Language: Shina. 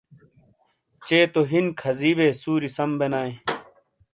چے تو ہین کھازی بے سوری سم بے نائے ۔